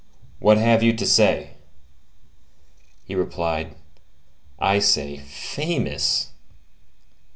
What have you to say?" He replied:— "I say, 'Famous!